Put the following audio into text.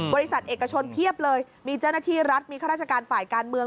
บริษัทเอกชนเพียบเลยมีเจ้าหน้าที่รัฐมีข้าราชการฝ่ายการเมือง